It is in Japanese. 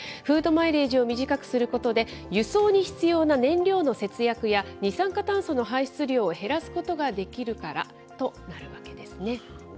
フード・マイレージを短くすることで、輸送に必要な燃料の節約や、二酸化炭素の排出量を減らすことができるからとなるわけですね。